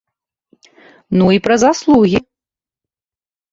Ну і пра заслугі.